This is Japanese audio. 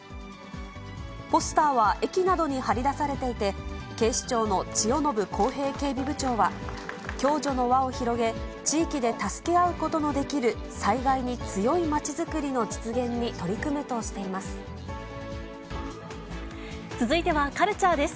ポスターは、駅などに張り出されていて、警視庁の千代延晃平警備部長は、共助の和を広げ、地域で助け合うことのできる災害に強い街づくりの実現に取り組む続いてはカルチャーです。